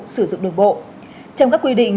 sử dụng đường bộ trong các quy định